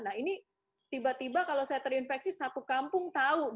nah ini tiba tiba kalau saya terinfeksi satu kampung tahu